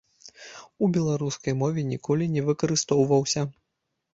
У беларускай мове ніколі не выкарыстоўваўся.